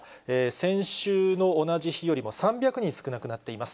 先週の同じ日よりも３００人少なくなっています。